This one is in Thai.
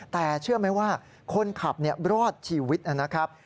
แต่เชื่อไหมว่าคนขับรอดชีวิตนะครับ